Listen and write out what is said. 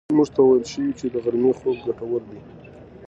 موږ ته ویل شوي چې د غرمې خوب ګټور دی.